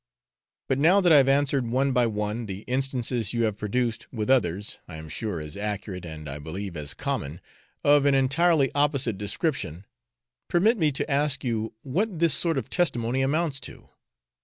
But now that I have answered one by one the instances you have produced, with others I am sure as accurate and I believe as common of an entirely opposite description, permit me to ask you what this sort of testimony amounts to.